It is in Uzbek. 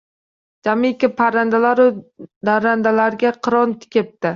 Jamiki parrandalaru darrandalarga qiron kepti.